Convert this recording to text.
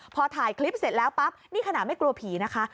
พอถ่ายคลิปเสร็จแล้วปั๊บนี่ขณะไม่กลัวผีนะคะ